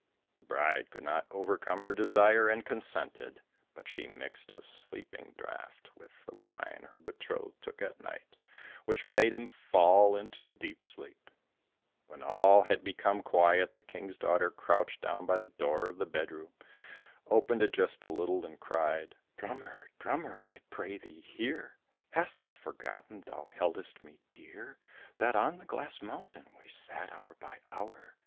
The bride could not overcome her desire and consented, but she mixed a sleeping draught with the wine her betrothed took at night, which made him fall into a deep sleep, When all had become quiet, the King's daughter crouched down by the door of the bedroom, opened it just a little, and cried, "Drummer, drummer, I pray thee hear! Hast thou forgotten thou heldest me dear? That on the glass mountain we sat hour by hour?